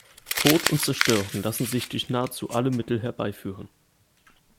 Tod und Zerstörung lassen sich durch nahezu alle Mittel herbeiführen.